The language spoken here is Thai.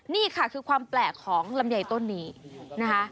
นี่ค่ะคือความแปลกของลำไยต้นนี้นะคะ